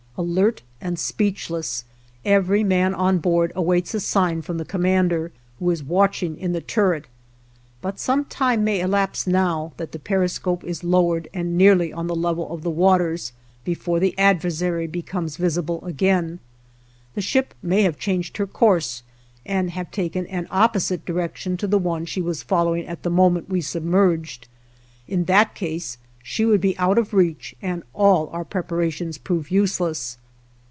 Alert and speechless, every man on board awaits a sign from the commander, who is watching in the turret; but some time may elapse now that the periscope is lowered and nearly on the level of the waters before the adversary becomes visible again. The ship may have changed her course and have taken an opposite direction to the one she was following at the moment we submerged. In that case she would be out of reach and all our preparations prove useless.